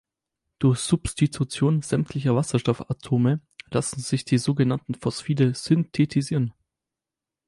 Durch Substitution sämtlicher Wasserstoffatome lassen sich die sogenannten Phosphide synthetisieren.